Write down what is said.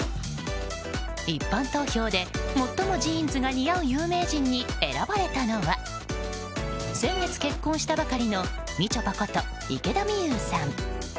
一般投票で最もジーンズが似合う有名人に選ばれたのは先月結婚したばかりのみちょぱこと池田美優さん。